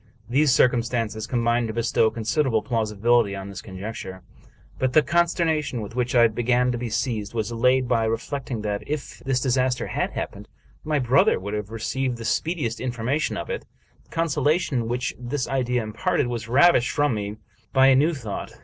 These circumstances com bined to bestow considerable plausibility on this conjecture; but the consternation with which I began to be seized was allayed by reflecting that, if this disaster had happened, my brother would have received the speediest information of it. The consolation which this idea imparted was ravished from me b) a new thought.